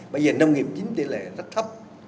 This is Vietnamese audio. bây giờ nông nghiệp chiếm tỷ lệ rất thấp